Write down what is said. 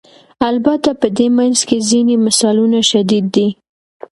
البته په دې منځ کې ځینې مثالونه شدید دي.